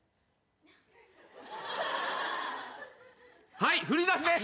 はい振り出しです。